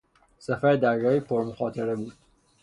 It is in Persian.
سفر دریایی پرمخاطره بود.